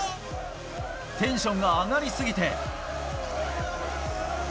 テンションが上がり過ぎて。